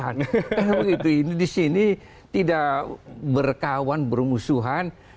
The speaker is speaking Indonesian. karena begitu ini di sini tidak berkawan bermusuhan